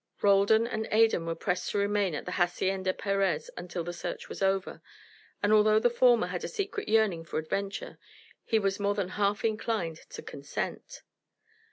Roldan and Adan were pressed to remain at the Hacienda Perez until the search was over, and although the former had a secret yearning for adventure he was more than half inclined to consent.